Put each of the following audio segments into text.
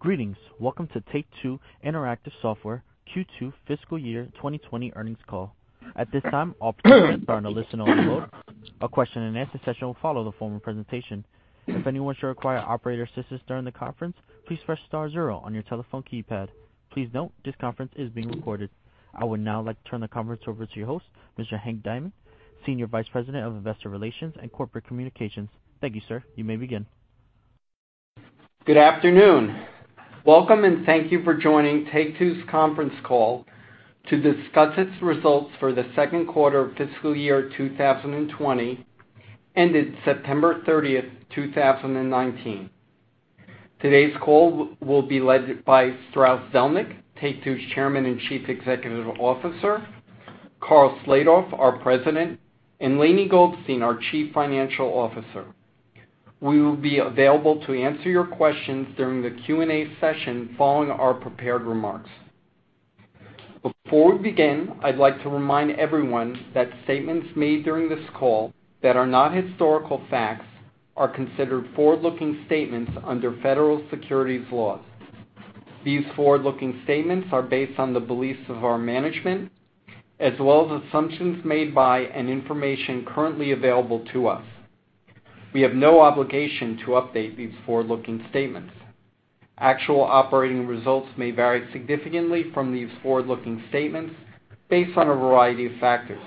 Greetings. Welcome to Take-Two Interactive Software Q2 fiscal year 2020 earnings call. At this time, all participants are in a listen-only mode. A question and answer session will follow the formal presentation. If anyone should require operator assistance during the conference, please press star zero on your telephone keypad. Please note, this conference is being recorded. I would now like to turn the conference over to your host, Mr. Hank Diamond, Senior Vice President of Investor Relations and Corporate Communications. Thank you, sir. You may begin. Good afternoon. Welcome and thank you for joining Take-Two's conference call to discuss its results for the second quarter of fiscal year 2020, ended September 30th, 2019. Today's call will be led by Strauss Zelnick, Take-Two's Chairman and Chief Executive Officer, Karl Slatoff, our President, and Lainie Goldstein, our Chief Financial Officer. We will be available to answer your questions during the Q&A session following our prepared remarks. Before we begin, I'd like to remind everyone that statements made during this call that are not historical facts are considered forward-looking statements under federal securities laws. These forward-looking statements are based on the beliefs of our management, as well as assumptions made by and information currently available to us. We have no obligation to update these forward-looking statements. Actual operating results may vary significantly from these forward-looking statements based on a variety of factors.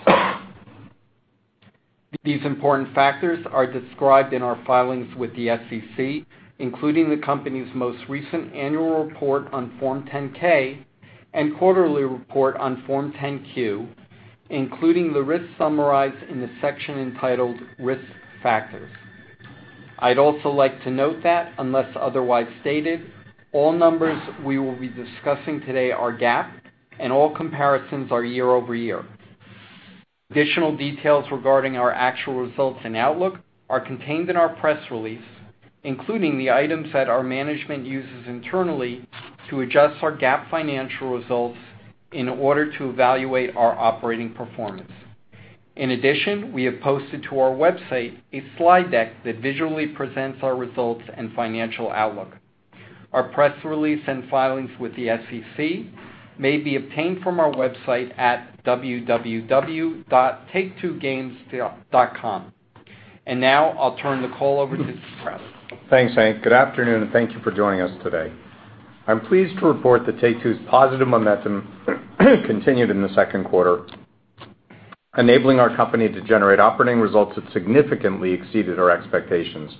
These important factors are described in our filings with the SEC, including the company's most recent annual report on Form 10-K and quarterly report on Form 10-Q, including the risks summarized in the section entitled Risk Factors. I'd also like to note that unless otherwise stated, all numbers we will be discussing today are GAAP and all comparisons are year-over-year. Additional details regarding our actual results and outlook are contained in our press release, including the items that our management uses internally to adjust our GAAP financial results in order to evaluate our operating performance. We have posted to our website a slide deck that visually presents our results and financial outlook. Our press release and filings with the SEC may be obtained from our website at www.take2games.com. Now I'll turn the call over to Strauss. Thanks, Hank. Good afternoon, thank you for joining us today. I'm pleased to report that Take-Two's positive momentum continued in the second quarter, enabling our company to generate operating results that significantly exceeded our expectations.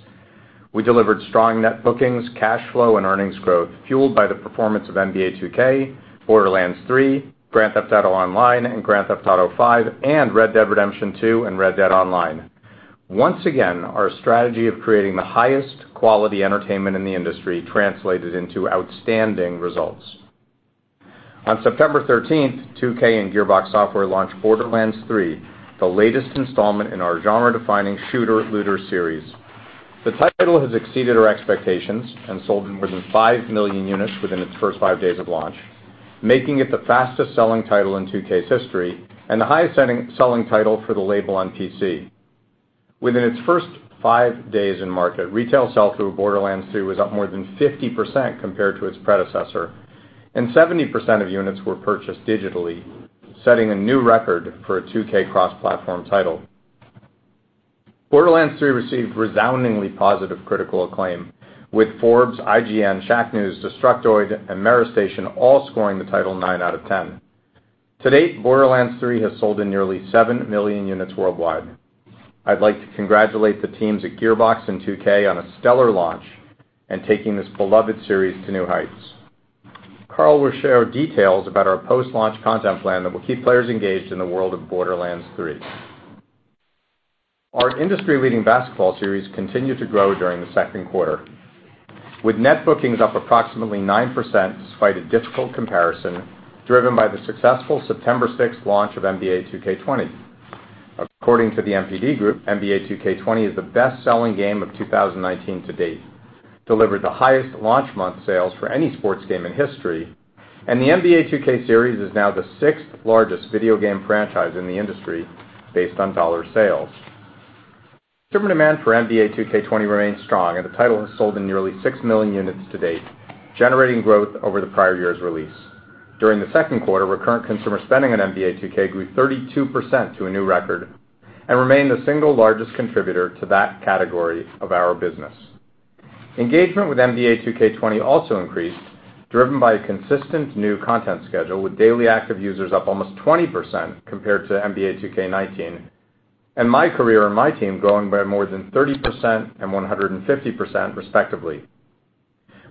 We delivered strong Net Bookings, cash flow, and earnings growth, fueled by the performance of NBA 2K, Borderlands 3, Grand Theft Auto Online, and Grand Theft Auto V, and Red Dead Redemption 2 and Red Dead Online. Once again, our strategy of creating the highest quality entertainment in the industry translated into outstanding results. On September 13th, 2K and Gearbox Software launched Borderlands 3, the latest installment in our genre-defining shooter-looter series. The title has exceeded our expectations and sold more than 5 million units within its first 5 days of launch, making it the fastest-selling title in 2K's history and the highest-selling title for the label on PC. Within its first five days in market, retail sell-through of Borderlands 3 was up more than 50% compared to its predecessor, and 70% of units were purchased digitally, setting a new record for a 2K cross-platform title. Borderlands 3 received resoundingly positive critical acclaim, with Forbes, IGN, Shacknews, Destructoid, and MeriStation all scoring the title nine out of 10. To date, Borderlands 3 has sold in nearly seven million units worldwide. I'd like to congratulate the teams at Gearbox and 2K on a stellar launch and taking this beloved series to new heights. Karl will share details about our post-launch content plan that will keep players engaged in the world of Borderlands 3. Our industry-leading basketball series continued to grow during the second quarter, with Net Bookings up approximately 9% despite a difficult comparison, driven by the successful September 6th launch of NBA 2K20. According to the NPD Group, NBA 2K20 is the best-selling game of 2019 to date, delivered the highest launch month sales for any sports game in history, and the NBA 2K series is now the sixth-largest video game franchise in the industry based on dollar sales. Consumer demand for NBA 2K20 remains strong, and the title has sold in nearly 6 million units to date, generating growth over the prior year's release. During the second quarter, recurrent consumer spending on NBA 2K grew 32% to a new record and remained the single largest contributor to that category of our business. Engagement with NBA 2K20 also increased, driven by a consistent new content schedule, with daily active users up almost 20% compared to NBA 2K19, and MyCAREER and MyTEAM growing by more than 30% and 150% respectively.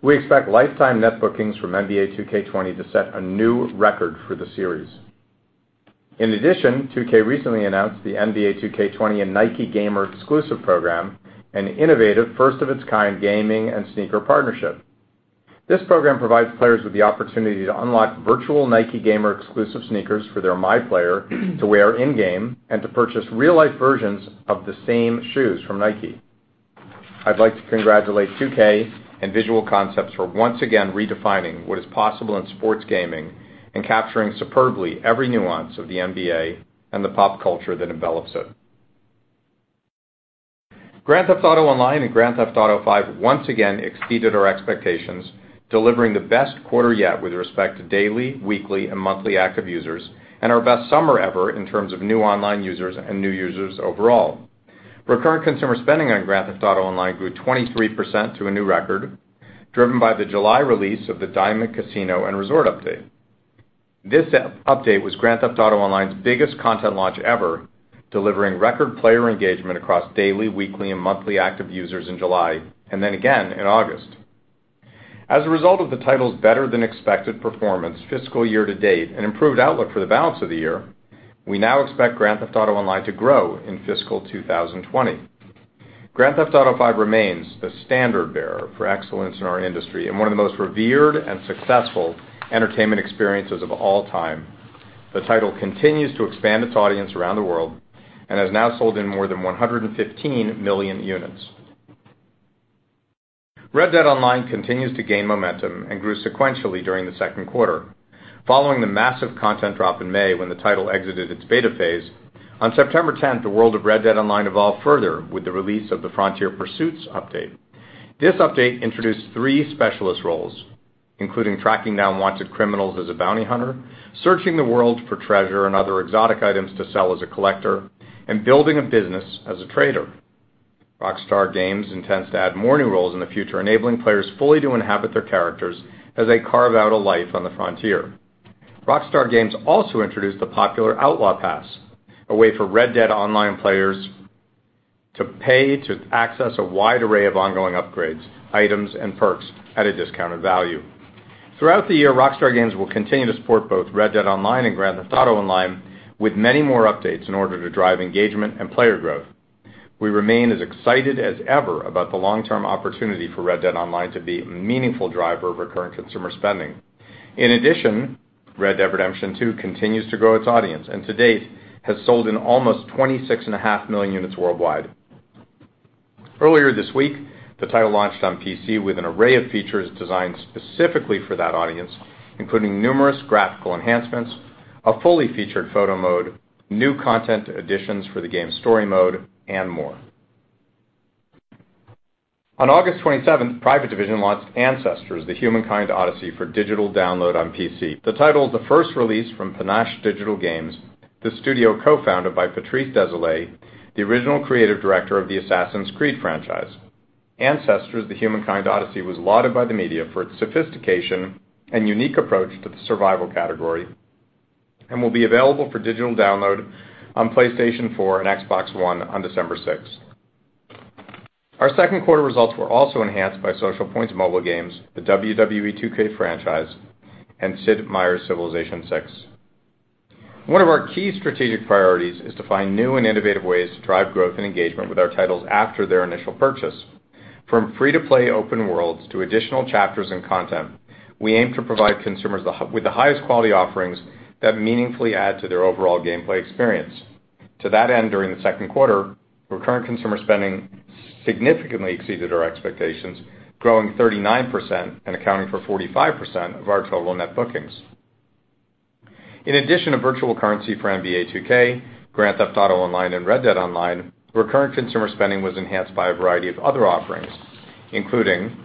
We expect lifetime net bookings from NBA 2K20 to set a new record for the series. 2K recently announced the NBA 2K20 x Nike Gamer Exclusive program, an innovative first-of-its-kind gaming and sneaker partnership. This program provides players with the opportunity to unlock virtual Nike Gamer Exclusive sneakers for their MyPLAYER to wear in-game and to purchase real-life versions of the same shoes from Nike. I'd like to congratulate 2K and Visual Concepts for once again redefining what is possible in sports gaming and capturing superbly every nuance of the NBA and the pop culture that envelops it. Grand Theft Auto Online and Grand Theft Auto V once again exceeded our expectations, delivering the best quarter yet with respect to daily, weekly, and monthly active users, and our best summer ever in terms of new online users and new users overall. Recurrent consumer spending on Grand Theft Auto Online grew 23% to a new record, driven by the July release of the Diamond Casino & Resort update. This update was Grand Theft Auto Online's biggest content launch ever, delivering record player engagement across daily, weekly, and monthly active users in July, and then again in August. As a result of the title's better-than-expected performance fiscal year to date and improved outlook for the balance of the year, we now expect Grand Theft Auto Online to grow in fiscal 2020. Grand Theft Auto V remains the standard-bearer for excellence in our industry and one of the most revered and successful entertainment experiences of all time. The title continues to expand its audience around the world and has now sold in more than 115 million units. Red Dead Online continues to gain momentum and grew sequentially during the second quarter. Following the massive content drop in May when the title exited its beta phase, on September 10th, the world of Red Dead Online evolved further with the release of the Frontier Pursuits update. This update introduced three specialist roles, including tracking down wanted criminals as a bounty hunter, searching the world for treasure and other exotic items to sell as a collector, and building a business as a trader. Rockstar Games intends to add more new roles in the future, enabling players fully to inhabit their characters as they carve out a life on the frontier. Rockstar Games also introduced the popular Outlaw Pass, a way for Red Dead Online players to pay to access a wide array of ongoing upgrades, items, and perks at a discounted value. Throughout the year, Rockstar Games will continue to support both Red Dead Online and Grand Theft Auto Online with many more updates in order to drive engagement and player growth. We remain as excited as ever about the long-term opportunity for Red Dead Online to be a meaningful driver of recurrent consumer spending. In addition, Red Dead Redemption 2 continues to grow its audience, and to date, has sold in almost 26.5 million units worldwide. Earlier this week, the title launched on PC with an array of features designed specifically for that audience, including numerous graphical enhancements, a fully-featured photo mode, new content additions for the game's story mode, and more. On August 27th, Private Division launched Ancestors: The Humankind Odyssey for digital download on PC. The title is the first release from Panache Digital Games, the studio co-founded by Patrice Désilets, the original creative director of the Assassin's Creed franchise. Ancestors: The Humankind Odyssey was lauded by the media for its sophistication and unique approach to the survival category and will be available for digital download on PlayStation 4 and Xbox One on December 6th. Our second quarter results were also enhanced by Socialpoint mobile games, the WWE 2K franchise, and Sid Meier's Civilization VI. One of our key strategic priorities is to find new and innovative ways to drive growth and engagement with our titles after their initial purchase. From free-to-play open worlds to additional chapters and content, we aim to provide consumers with the highest quality offerings that meaningfully add to their overall gameplay experience. To that end, during the second quarter, Recurrent Consumer Spending significantly exceeded our expectations, growing 39% and accounting for 45% of our total Net Bookings. In addition to virtual currency for NBA 2K, Grand Theft Auto Online, and Red Dead Online, Recurrent Consumer Spending was enhanced by a variety of other offerings, including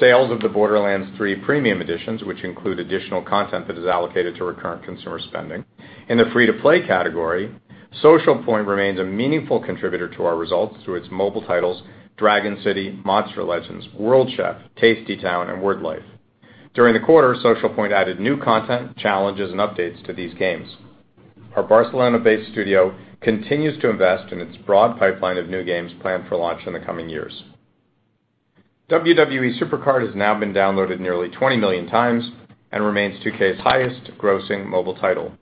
sales of the Borderlands 3 premium editions, which include additional content that is allocated to Recurrent Consumer Spending. In the free-to-play category, Socialpoint remains a meaningful contributor to our results through its mobile titles, Dragon City, Monster Legends, World Chef, Tasty Town, and Word Life. During the quarter, Socialpoint added new content, challenges, and updates to these games. Our Barcelona-based studio continues to invest in its broad pipeline of new games planned for launch in the coming years. WWE SuperCard has now been downloaded nearly 20 million times and remains 2K's highest-grossing mobile title.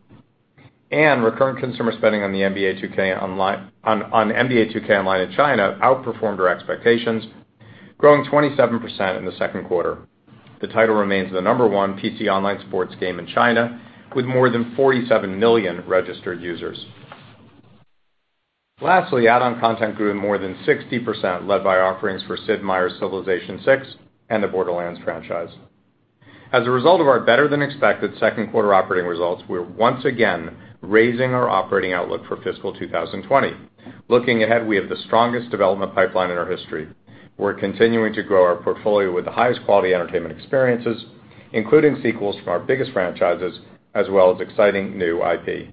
Recurrent consumer spending on NBA 2K Online in China outperformed our expectations, growing 27% in the second quarter. The title remains the number 1 PC online sports game in China, with more than 47 million registered users. Lastly, add-on content grew more than 60%, led by offerings for Sid Meier's Civilization VI and the Borderlands franchise. As a result of our better-than-expected second quarter operating results, we're once again raising our operating outlook for fiscal 2020. Looking ahead, we have the strongest development pipeline in our history. We're continuing to grow our portfolio with the highest quality entertainment experiences, including sequels from our biggest franchises, as well as exciting new IP.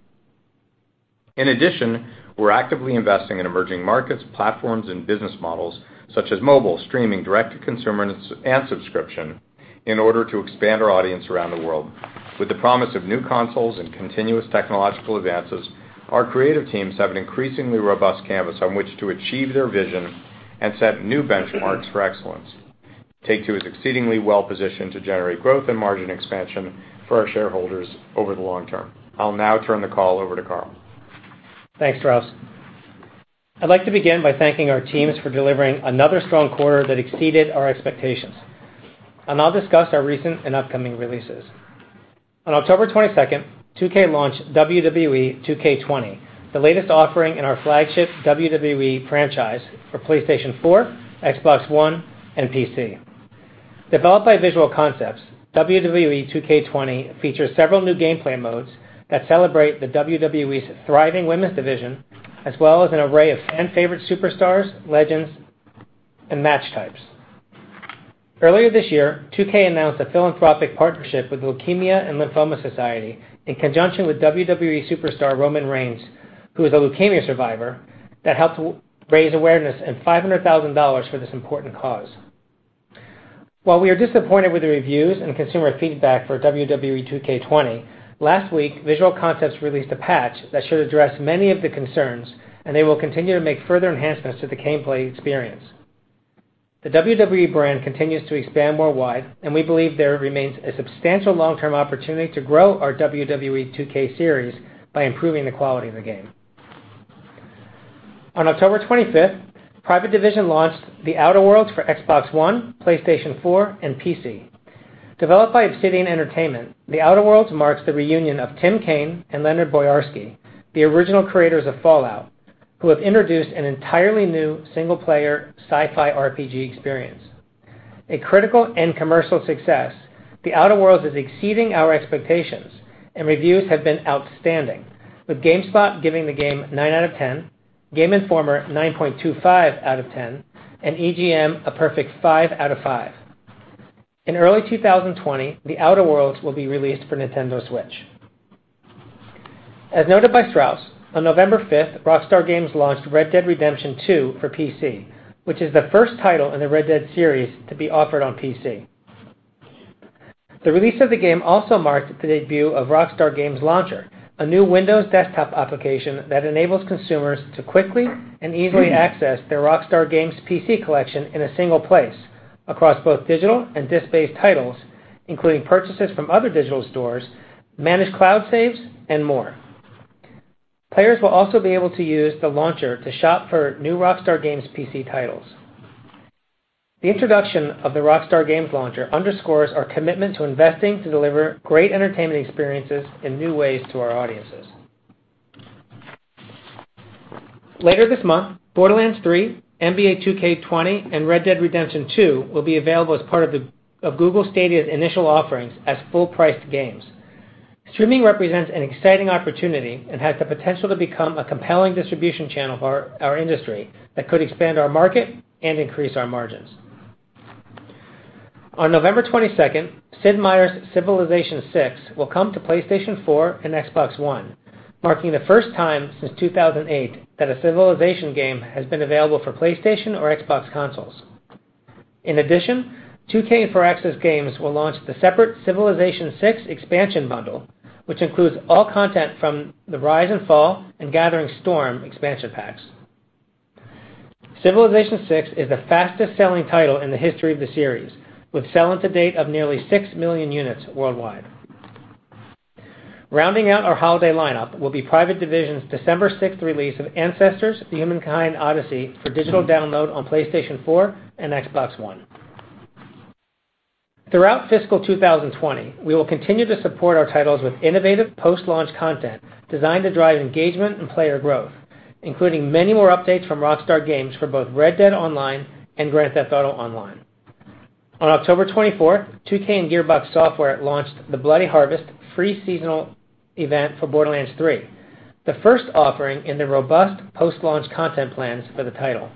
In addition, we're actively investing in emerging markets, platforms, and business models such as mobile, streaming, direct to consumer, and subscription in order to expand our audience around the world. With the promise of new consoles and continuous technological advances, our creative teams have an increasingly robust canvas on which to achieve their vision and set new benchmarks for excellence. Take-Two is exceedingly well-positioned to generate growth and margin expansion for our shareholders over the long term. I'll now turn the call over to Karl. Thanks, Strauss. I'd like to begin by thanking our teams for delivering another strong quarter that exceeded our expectations. I'll now discuss our recent and upcoming releases. On October 22nd, 2K launched WWE 2K20, the latest offering in our flagship WWE franchise for PlayStation 4, Xbox One, and PC. Developed by Visual Concepts, WWE 2K20 features several new gameplay modes that celebrate the WWE's thriving women's division, as well as an array of fan favorite superstars, legends, and match types. Earlier this year, 2K announced a philanthropic partnership with Leukemia and Lymphoma Society in conjunction with WWE superstar Roman Reigns, who is a leukemia survivor, that helped raise awareness and $500,000 for this important cause. While we are disappointed with the reviews and consumer feedback for WWE 2K20, last week, Visual Concepts released a patch that should address many of the concerns, and they will continue to make further enhancements to the gameplay experience. The WWE brand continues to expand worldwide, and we believe there remains a substantial long-term opportunity to grow our WWE 2K series by improving the quality of the game. On October 25th, Private Division launched The Outer Worlds for Xbox One, PlayStation 4, and PC. Developed by Obsidian Entertainment, The Outer Worlds marks the reunion of Tim Cain and Leonard Boyarsky, the original creators of Fallout, who have introduced an entirely new single-player sci-fi RPG experience. A critical and commercial success, The Outer Worlds is exceeding our expectations, and reviews have been outstanding, with GameSpot giving the game 9 out of 10, Game Informer 9.25 out of 10, and EGM a perfect 5 out of 5. In early 2020, The Outer Worlds will be released for Nintendo Switch. As noted by Strauss, on November 5th, Rockstar Games launched Red Dead Redemption 2 for PC, which is the first title in the Red Dead series to be offered on PC. The release of the game also marked the debut of Rockstar Games Launcher, a new Windows desktop application that enables consumers to quickly and easily access their Rockstar Games PC collection in a single place across both digital and disk-based titles, including purchases from other digital stores, manage cloud saves, and more. Players will also be able to use the Launcher to shop for new Rockstar Games PC titles. The introduction of the Rockstar Games Launcher underscores our commitment to investing to deliver great entertainment experiences in new ways to our audiences. Later this month, Borderlands 3, NBA 2K20, and Red Dead Redemption 2 will be available as part of Google Stadia's initial offerings as full-priced games. Streaming represents an exciting opportunity and has the potential to become a compelling distribution channel for our industry that could expand our market and increase our margins. On November 22nd, Sid Meier's Civilization VI will come to PlayStation 4 and Xbox One, marking the first time since 2008 that a Civilization game has been available for PlayStation or Xbox consoles. In addition, 2K and Firaxis Games will launch the separate Civilization VI expansion bundle, which includes all content from the Rise and Fall and Gathering Storm expansion packs. Civilization VI is the fastest-selling title in the history of the series, with sell into date of nearly 6 million units worldwide. Rounding out our holiday lineup will be Private Division's December 6th release of Ancestors: The Humankind Odyssey for digital download on PlayStation 4 and Xbox One. Throughout fiscal 2020, we will continue to support our titles with innovative post-launch content designed to drive engagement and player growth, including many more updates from Rockstar Games for both Red Dead Online and Grand Theft Auto Online. On October 24th, 2K and Gearbox Software launched the Bloody Harvest free seasonal event for Borderlands 3, the first offering in the robust post-launch content plans for the title.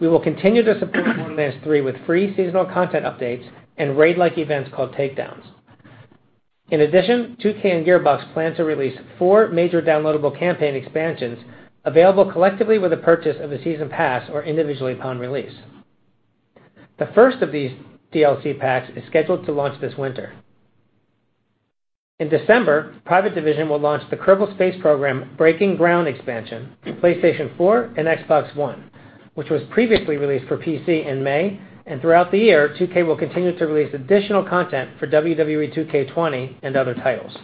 We will continue to support Borderlands 3 with free seasonal content updates and raid-like events called Takedowns. 2K and Gearbox plan to release four major downloadable campaign expansions available collectively with the purchase of a season pass or individually upon release. The first of these DLC packs is scheduled to launch this winter. Private Division will launch the Kerbal Space Program Breaking Ground expansion for PlayStation 4 and Xbox One, which was previously released for PC in May. Throughout the year, 2K will continue to release additional content for WWE 2K20 and other titles.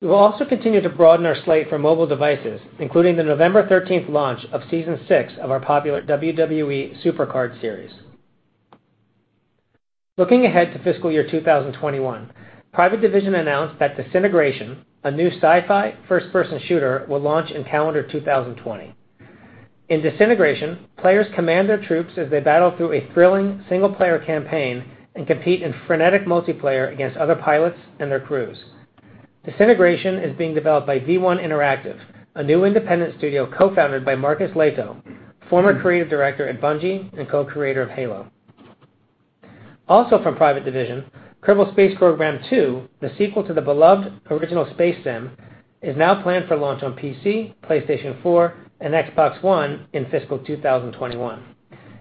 We will also continue to broaden our slate for mobile devices, including the November 13th launch of Season 6 of our popular WWE SuperCard series. Looking ahead to fiscal year 2021, Private Division announced that Disintegration, a new sci-fi first-person shooter, will launch in calendar 2020. In Disintegration, players command their troops as they battle through a thrilling single-player campaign and compete in frenetic multiplayer against other pilots and their crews. Disintegration is being developed by V1 Interactive, a new independent studio co-founded by Marcus Lehto, former creative director at Bungie and co-creator of Halo. Also from Private Division, Kerbal Space Program 2, the sequel to the beloved original space sim, is now planned for launch on PC, PlayStation 4, and Xbox One in fiscal 2021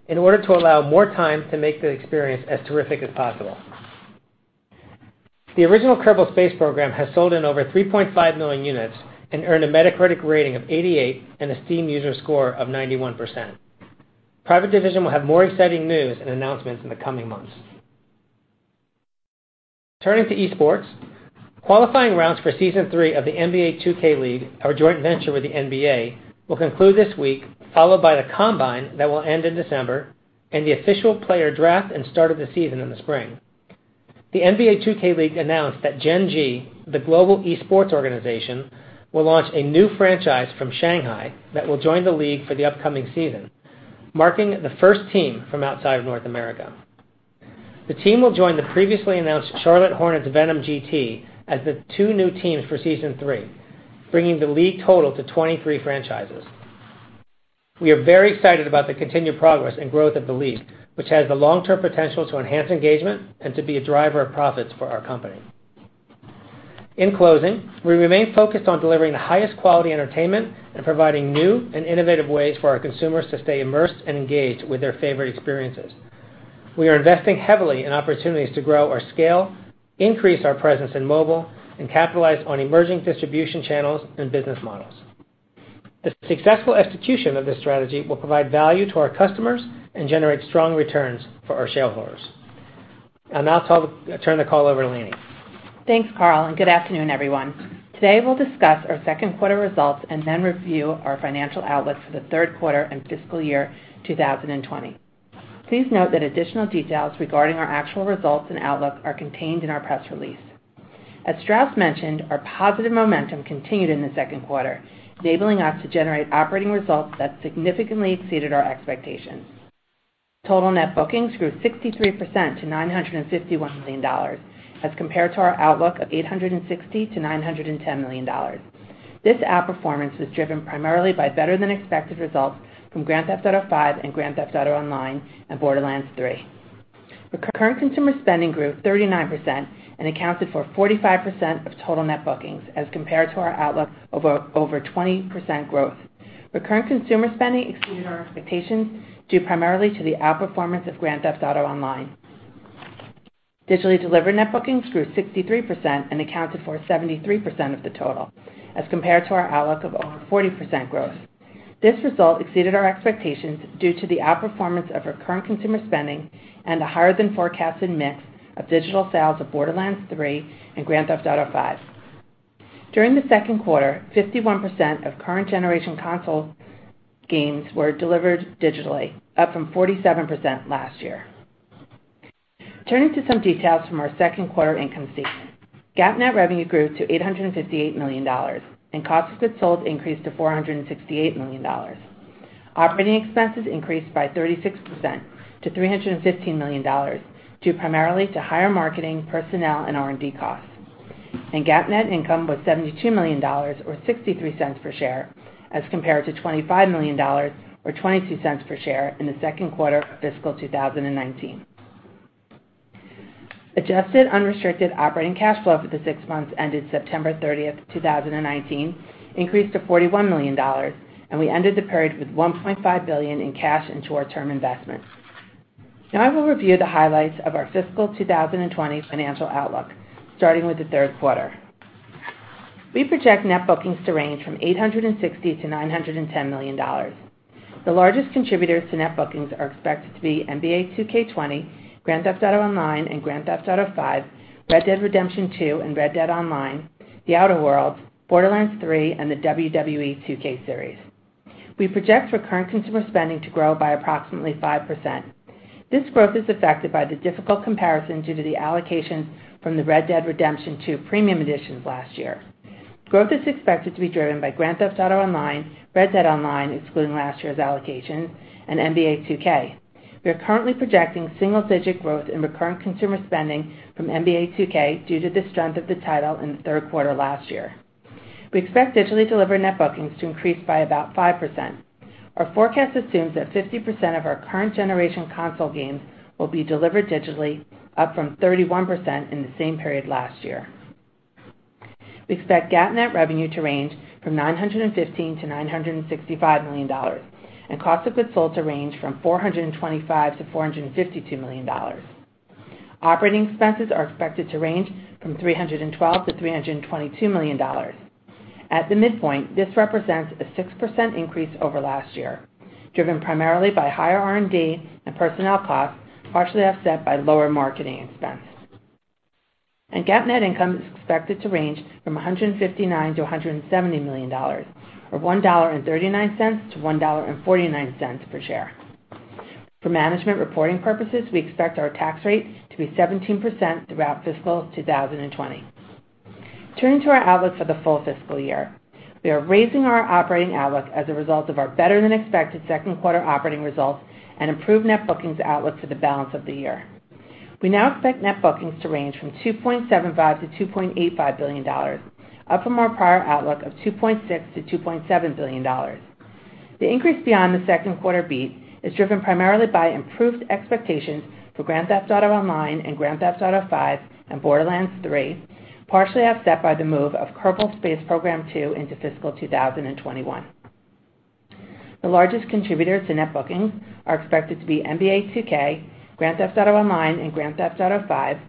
in order to allow more time to make the experience as terrific as possible. The original Kerbal Space Program has sold in over 3.5 million units and earned a Metacritic rating of 88 and a Steam user score of 91%. Private Division will have more exciting news and announcements in the coming months. Turning to esports, qualifying rounds for Season 3 of the NBA 2K League, our joint venture with the NBA, will conclude this week, followed by the combine that will end in December and the official player draft and start of the season in the spring. The NBA 2K League announced that Gen.G, the global esports organization, will launch a new franchise from Shanghai that will join the league for the upcoming season, marking the first team from outside of North America. The team will join the previously announced Charlotte Hornets Venom GT as the two new teams for Season 3, bringing the league total to 23 franchises. We are very excited about the continued progress and growth of the league, which has the long-term potential to enhance engagement and to be a driver of profits for our company. In closing, we remain focused on delivering the highest quality entertainment and providing new and innovative ways for our consumers to stay immersed and engaged with their favorite experiences. We are investing heavily in opportunities to grow our scale, increase our presence in mobile, and capitalize on emerging distribution channels and business models. The successful execution of this strategy will provide value to our customers and generate strong returns for our shareholders. I'll now turn the call over to Lainie. Thanks, Karl, good afternoon, everyone. Today, we'll discuss our second quarter results and then review our financial outlook for the third quarter and fiscal year 2020. Please note that additional details regarding our actual results and outlook are contained in our press release. As Strauss mentioned, our positive momentum continued in the second quarter, enabling us to generate operating results that significantly exceeded our expectations. Total net bookings grew 63% to $951 million as compared to our outlook of $860 million-$910 million. This outperformance was driven primarily by better than expected results from "Grand Theft Auto V" and "Grand Theft Auto Online" and "Borderlands 3." Recurrent consumer spending grew 39% and accounted for 45% of total net bookings as compared to our outlook of over 20% growth. Recurrent consumer spending exceeded our expectations due primarily to the outperformance of "Grand Theft Auto Online." Digitally delivered Net Bookings grew 63% and accounted for 73% of the total as compared to our outlook of over 40% growth. This result exceeded our expectations due to the outperformance of recurrent consumer spending and a higher than forecasted mix of digital sales of "Borderlands 3" and "Grand Theft Auto V." During the second quarter, 51% of current generation console games were delivered digitally, up from 47% last year. Turning to some details from our second quarter income statement. GAAP net revenue grew to $858 million and cost of goods sold increased to $468 million. Operating expenses increased by 36% to $315 million due primarily to higher marketing, personnel, and R&D costs. GAAP net income was $72 million, or $0.63 per share, as compared to $25 million, or $0.22 per share in the second quarter of fiscal 2019. Adjusted unrestricted operating cash flow for the six months ended September 30th, 2019 increased to $41 million, and we ended the period with $1.5 billion in cash and short-term investments. I will review the highlights of our fiscal 2020 financial outlook, starting with the third quarter. We project Net Bookings to range from $860 million-$910 million. The largest contributors to Net Bookings are expected to be NBA 2K20, Grand Theft Auto Online and Grand Theft Auto V, Red Dead Redemption 2 and Red Dead Online, The Outer Worlds, Borderlands 3, and the WWE 2K series. We project recurrent consumer spending to grow by approximately 5%. This growth is affected by the difficult comparison due to the allocations from the Red Dead Redemption 2 Premium editions last year. Growth is expected to be driven by Grand Theft Auto Online, Red Dead Online, excluding last year's allocation, and NBA 2K. We are currently projecting single-digit growth in recurrent consumer spending from NBA 2K due to the strength of the title in the third quarter last year. We expect digitally delivered net bookings to increase by about 5%. Our forecast assumes that 50% of our current generation console games will be delivered digitally, up from 31% in the same period last year. We expect GAAP net revenue to range from $915 million-$965 million and cost of goods sold to range from $425 million-$452 million. Operating expenses are expected to range from $312 million-$322 million. At the midpoint, this represents a 6% increase over last year, driven primarily by higher R&D and personnel costs, partially offset by lower marketing expense. GAAP net income is expected to range from $159 million-$170 million, or $1.39-$1.49 per share. For management reporting purposes, we expect our tax rate to be 17% throughout fiscal 2020. Turning to our outlook for the full fiscal year, we are raising our operating outlook as a result of our better than expected second quarter operating results and improved Net Bookings outlook for the balance of the year. We now expect Net Bookings to range from $2.75 billion-$2.85 billion, up from our prior outlook of $2.6 billion-$2.7 billion. The increase beyond the second quarter beat is driven primarily by improved expectations for Grand Theft Auto Online and Grand Theft Auto V and Borderlands 3, partially offset by the move of Kerbal Space Program 2 into fiscal 2021. The largest contributors to net bookings are expected to be NBA 2K, Grand Theft Auto Online and Grand Theft Auto V,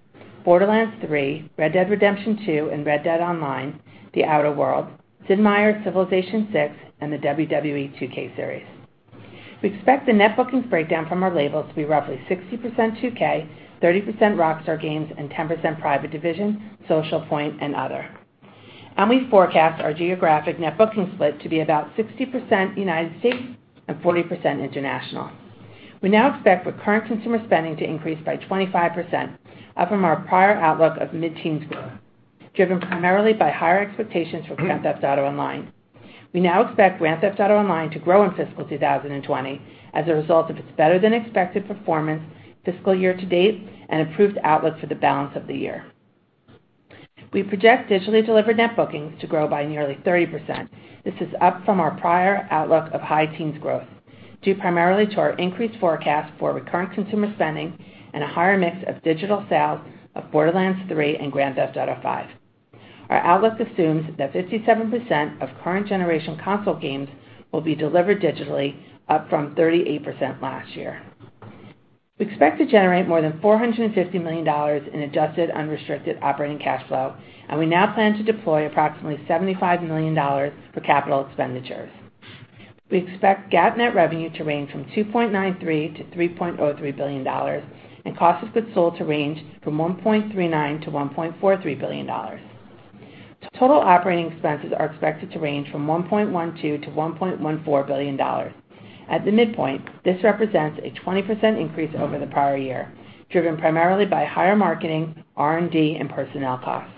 Borderlands 3, Red Dead Redemption 2 and Red Dead Online, The Outer Worlds, Sid Meier's Civilization VI, and the WWE 2K series. We expect the net bookings breakdown from our labels to be roughly 60% 2K, 30% Rockstar Games, and 10% Private Division, Social Point, and other. We forecast our geographic net bookings split to be about 60% United States and 40% international. We now expect recurrent consumer spending to increase by 25%, up from our prior outlook of mid-teens growth, driven primarily by higher expectations for Grand Theft Auto Online. We now expect Grand Theft Auto Online to grow in fiscal 2020 as a result of its better than expected performance fiscal year to date and improved outlook for the balance of the year. We project digitally delivered Net Bookings to grow by nearly 30%. This is up from our prior outlook of high teens growth, due primarily to our increased forecast for recurrent consumer spending and a higher mix of digital sales of Borderlands 3 and Grand Theft Auto V. Our outlook assumes that 57% of current generation console games will be delivered digitally, up from 38% last year. We expect to generate more than $450 million in adjusted unrestricted operating cash flow, we now plan to deploy approximately $75 million for capital expenditures. We expect GAAP net revenue to range from $2.93 billion-$3.03 billion and cost of goods sold to range from $1.39 billion-$1.43 billion. Total operating expenses are expected to range from $1.12 billion-$1.14 billion. At the midpoint, this represents a 20% increase over the prior year, driven primarily by higher marketing, R&D, and personnel costs.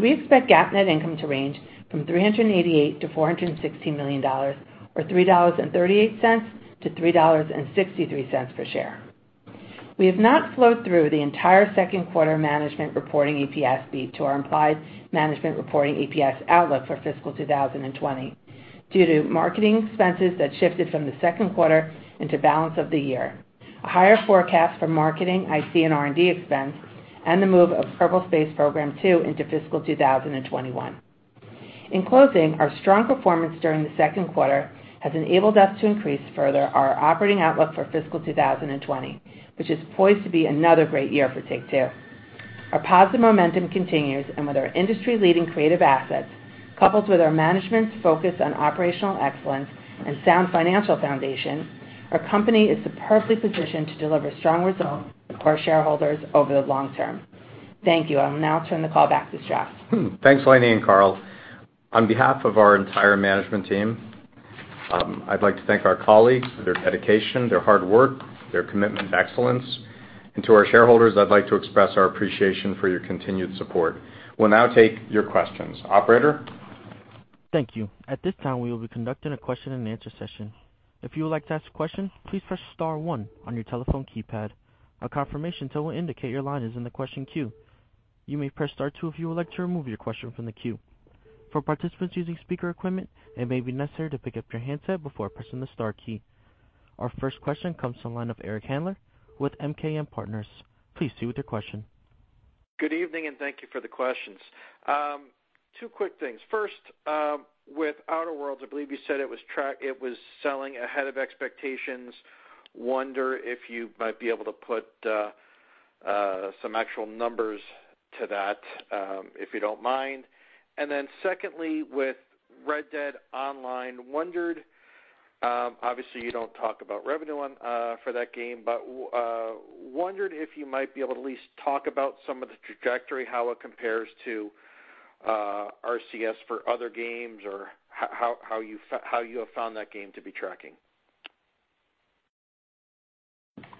We expect GAAP net income to range from $388 million-$416 million, or $3.38-$3.63 per share. We have not flowed through the entire second quarter management reporting EPS beat to our implied management reporting EPS outlook for fiscal 2020 due to marketing expenses that shifted from the second quarter into balance of the year, a higher forecast for marketing, G&A, and R&D expense, and the move of Kerbal Space Program 2 into fiscal 2021. In closing, our strong performance during the second quarter has enabled us to increase further our operating outlook for fiscal 2020, which is poised to be another great year for Take-Two. Our positive momentum continues, and with our industry-leading creative assets, coupled with our management's focus on operational excellence and sound financial foundation, our company is superbly positioned to deliver strong results for shareholders over the long term. Thank you. I will now turn the call back to Strauss. Thanks, Lainie and Karl. On behalf of our entire management team, I'd like to thank our colleagues for their dedication, their hard work, their commitment to excellence. To our shareholders, I'd like to express our appreciation for your continued support. We'll now take your questions. Operator? Thank you. At this time, we will be conducting a question and answer session. If you would like to ask a question, please press star one on your telephone keypad. A confirmation tone will indicate your line is in the question queue. You may press star two if you would like to remove your question from the queue. For participants using speaker equipment, it may be necessary to pick up your handset before pressing the star key. Our first question comes from the line of Eric Handler with MKM Partners. Please proceed with your question. Good evening, thank you for the questions. Two quick things. First, with Outer Worlds, I believe you said it was selling ahead of expectations. Wonder if you might be able to put some actual numbers to that, if you don't mind. Secondly, with Red Dead Online, obviously you don't talk about revenue for that game, but wondered if you might be able to at least talk about some of the trajectory, how it compares to RCS for other games, or how you have found that game to be tracking.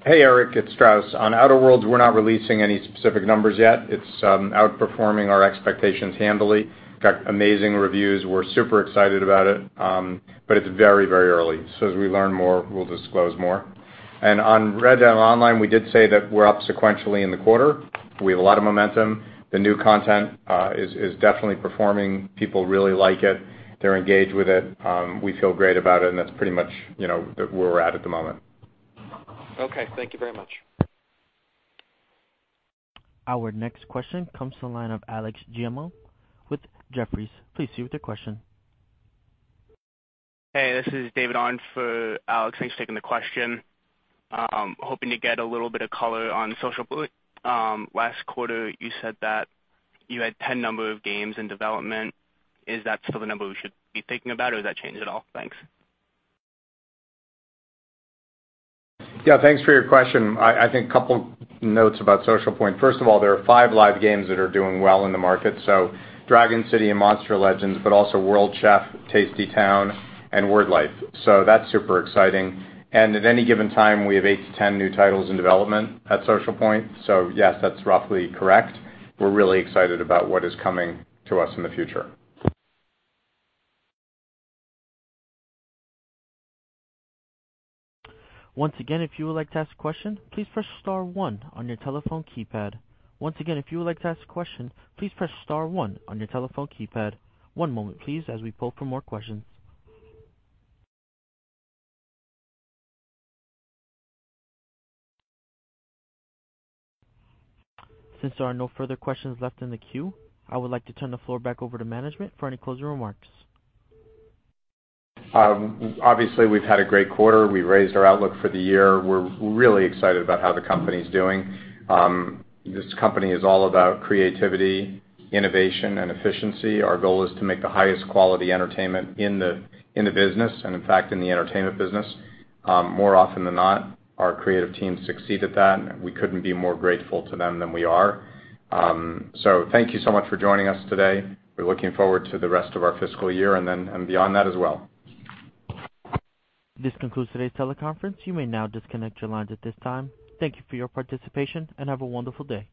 Hey, Eric, it's Strauss. On The Outer Worlds, we're not releasing any specific numbers yet. It's outperforming our expectations handily. Got amazing reviews. We're super excited about it. It's very early. As we learn more, we'll disclose more. On Red Dead Online, we did say that we're up sequentially in the quarter. We have a lot of momentum. The new content is definitely performing. People really like it. They're engaged with it. We feel great about it, and that's pretty much where we're at at the moment. Okay, thank you very much. Our next question comes from the line of Alex Giaimo with Jefferies. Please proceed with your question. Hey, this is David on for Alex. Thanks for taking the question. Hoping to get a little bit of color on Social Point. Last quarter, you said that you had 10 number of games in development. Is that still the number we should be thinking about, or has that changed at all? Thanks. Yeah. Thanks for your question. I think a couple notes about Social Point. First of all, there are five live games that are doing well in the market, so Dragon City and Monster Legends, but also World Chef, Tasty Town, and Word Life. That's super exciting. At any given time, we have eight to 10 new titles in development at Social Point. Yes, that's roughly correct. We're really excited about what is coming to us in the future. Once again, if you would like to ask a question, please press star 1 on your telephone keypad. One moment, please, as we pull for more questions. Since there are no further questions left in the queue, I would like to turn the floor back over to management for any closing remarks. Obviously, we've had a great quarter. We raised our outlook for the year. We're really excited about how the company's doing. This company is all about creativity, innovation, and efficiency. Our goal is to make the highest quality entertainment in the business, and in fact, in the entertainment business. More often than not, our creative teams succeed at that, and we couldn't be more grateful to them than we are. Thank you so much for joining us today. We're looking forward to the rest of our fiscal year and beyond that as well. This concludes today's teleconference. You may now disconnect your lines at this time. Thank you for your participation, and have a wonderful day.